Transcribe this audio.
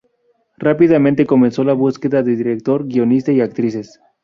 Rápidamente comenzó la búsqueda de director, guionista y actrices.